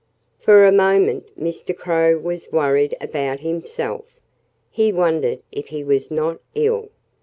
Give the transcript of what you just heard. For a moment Mr. Crow was worried about himself. He wondered if he was not ill.